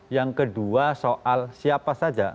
yang kedua soal siapa saja